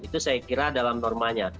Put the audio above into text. itu saya kira dalam normanya